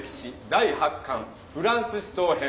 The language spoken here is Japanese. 第８巻フランス死闘編。